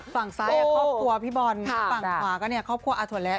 ฝั่งซ้ายครอบครัวพี่บอลฝั่งขวาก็เนี่ยครอบครัวอาถั่วแล้ว